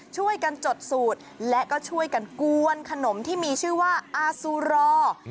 ช่วยกันจดสูตรและก็ช่วยกันกวนขนมที่มีชื่อว่าอาซูรอ